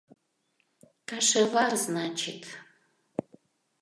— Кашевар, значит.